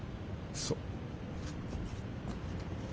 そう。